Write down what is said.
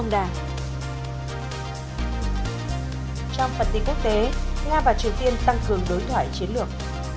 nga và triều tiên tăng cường đối thoại chiến lược